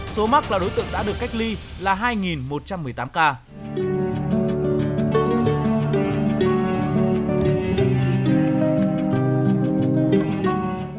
số mắc là đối tượng đã được cách ly là hai một trăm một mươi tám ca